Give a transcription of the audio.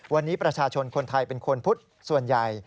วันนี้ประชาชนคนไทยเป็นคนพุทธส่วนใหญ่